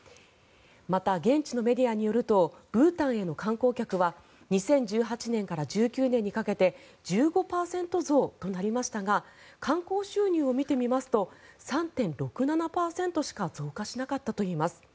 また、現地のメディアによるとブータンへの観光客は２０１８年から１９年にかけて１５％増となりましたが観光収入を見てみますと３．６７％しか増加しなかったといいます。